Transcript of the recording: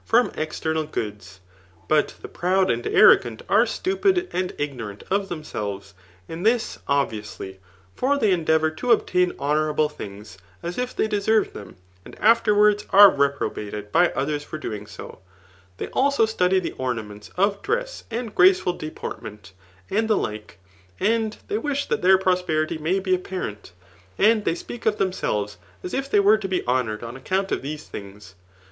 itmcs* 135 finom ezternalgoodst But the proud and arrogant a» stupid, and ignorant of tbemselres^ and this obviously ; for they endeavov to dbtaia honourable diingS) as if thej deserved them^ and afterwards are reprobated by others for so doing; They ateo study the ornament of dress^ graceful deportment^ and the like; and they wisk ^iiat their prosperity may be apparent ;:and they^^q^eak of "diemselvesi as if they were lo^be honoured on aecount of^' lliese diings.